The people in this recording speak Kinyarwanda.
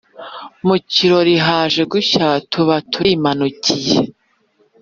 Mu kirori haje gushya tuba turi manukiye